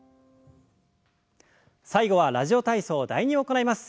最後は「ラジオ体操第２」を行います。